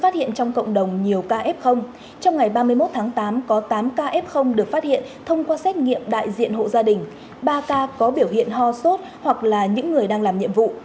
trong ngày ba mươi một tháng tám có tám ca f được phát hiện thông qua xét nghiệm đại diện hộ gia đình ba ca có biểu hiện ho sốt hoặc là những người đang làm nhiệm vụ